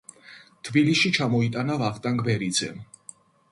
თბილისში ჩამოიტანა ვახტანგ ბერიძემ.